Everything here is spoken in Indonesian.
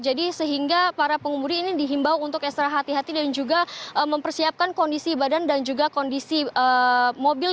jadi sehingga para pengemudi ini dihimbau untuk ekstra hati hati dan juga mempersiapkan kondisi badan dan juga kondisi mobil